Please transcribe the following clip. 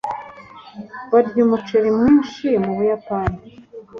barya umuceri mwinshi mu buyapani